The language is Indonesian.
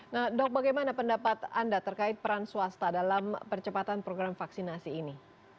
nah dok bagaimana pendapat anda terkait peran swasta dalam percepatan program vaksinasi ini